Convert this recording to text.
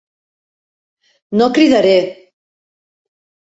No cridaré!